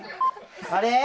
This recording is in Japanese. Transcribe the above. あれ？